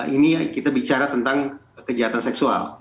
ini kita bicara tentang kejahatan seksual